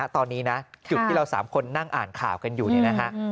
ตอนนี้นะจุดที่เรา๓คนนั่งอ่านข่าวกันอยู่เนี่ยนะฮะ